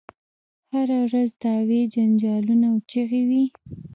هره ورځ دعوې جنجالونه او چیغې وي.